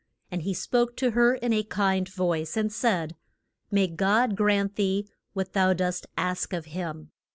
And he spoke to her in a kind voice, and said: May God grant thee what thou dost ask of him.